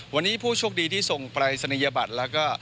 วันนี้ผู้โชคดีที่ส่งปรายศนียบัตรแล้วก็